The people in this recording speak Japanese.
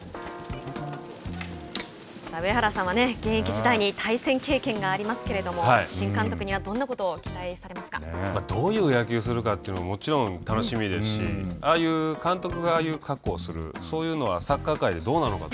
さあ上原さんは現役時代に対戦経験がありますけれども、新監督にはどういう野球をするかというの、もちろん楽しみですし、ああいう監督がああいう格好をするそういうのは、サッカー界でどうなのかと。